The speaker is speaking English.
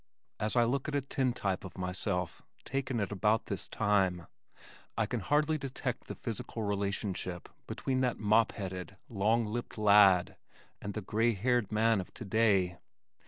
As I look at a tintype of myself taken at about this time, I can hardly detect the physical relationship between that mop headed, long lipped lad, and the gray haired man of today.